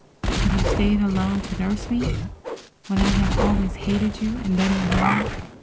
Have you stayed alone to nurse me, when I have always hated you, and done you harm?"